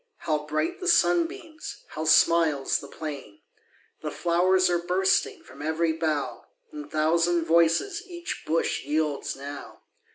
How bright the sunbeams! How smiles the plain! The flow'rs are bursting From ev'ry bough, And thousand voices Each bush yields now.